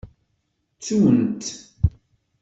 Ttunt-t.